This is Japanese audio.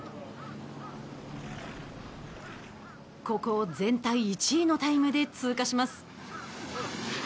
ここを全体１位のタイムで通過します。